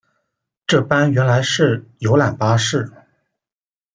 这班原来是游览巴士